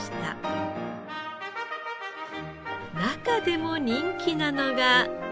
中でも人気なのが。